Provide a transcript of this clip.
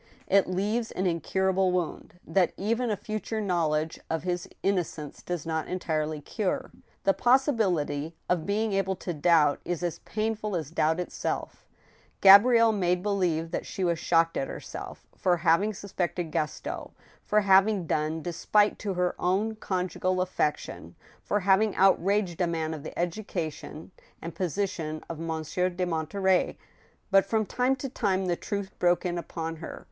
It leaves an incurable wound, that even a future knowledge of his innocence does not en tirely cure. The possibility of being able to doubt is as painful as doubt itself. Gabrielle made believe that she was shocked at herself 132 THE STEEL HAMMER. for having suspected Gaston, for having done despite to her own conjugal affection, for having outraged a man of the education and position of Monsieur de Monterey ; but from time to time the truth broke in upon her.